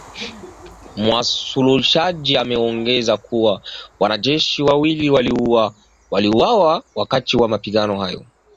Mualushayi ameongeza kuwa, wanajeshi wawili waliuawa wakati wa mapigano hayo.